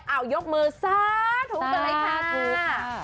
เอายกมือซะถูกกันเลยค่ะ